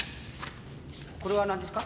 これは何ですか？